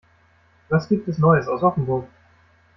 Was gibt es neues aus Offenburg?